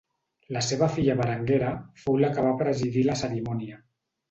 La seva filla Berenguera fou la que va presidir la cerimònia.